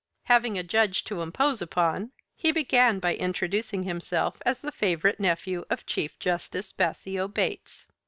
Having a judge to impose upon he began by introducing himself as the favorite nephew of Chief Justice Bassio Bates.